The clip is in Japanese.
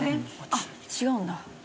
あっ違うんだ。